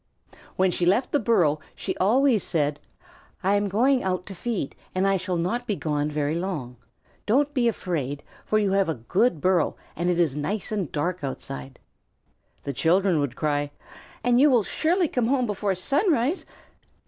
When she left the burrow she always said: "I am going out to feed, and I shall not be gone very long. Don't be afraid, for you have a good burrow, and it is nice and dark outside." The children would cry: "And you will surely come home before sunrise?"